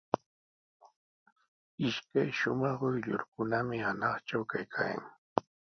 Ishkay shumaq quyllurkunami hunaqtraw kaykaayan.